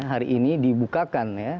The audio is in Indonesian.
hari ini dibukakan ya